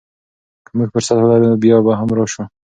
که موږ فرصت ولرو، بیا به هم راشو.